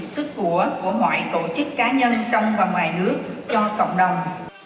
sức của của ngoại tổ chức cá nhân trong và ngoài nước cho cộng đồng